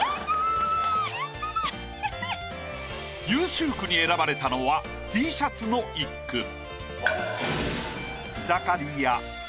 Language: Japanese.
優秀句に選ばれたのはＴシャツの一句。